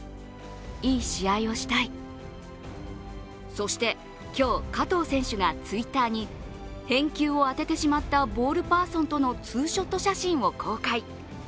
そして、今日加藤選手がＴｗｉｔｔｅｒに返球をあててしまったボールパーソンとのツーショット写真を公開。